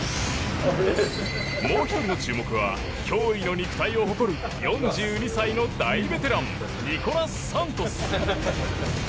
もう１人の注目は驚異の肉体を誇る４２歳の大ベテランニコラス・サントス。